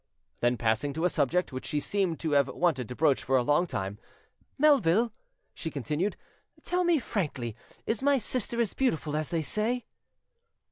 Then passing to a subject which she seemed to have wanted to broach for a long time, "Melville," she continued, "tell me frankly, is my sister as beautiful as they say?"